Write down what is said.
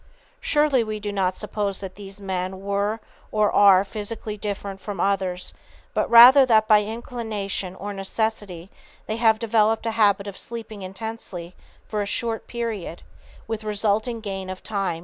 Surely we do not suppose that these men were or are physically different from others, but rather that by inclination or necessity they have developed a habit of sleeping intensely for a short period, with resulting gain of time and efficiency."